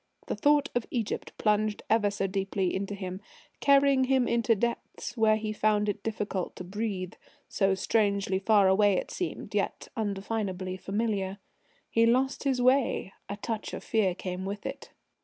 The thought of Egypt plunged ever so deeply into him, carrying him into depths where he found it difficult to breathe, so strangely far away it seemed, yet indefinably familiar. He lost his way. A touch of fear came with it.